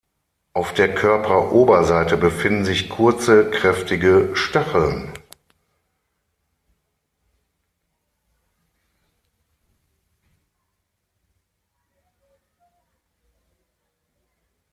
Auf der Körperoberseite befinden sich kurze, kräftige Stacheln.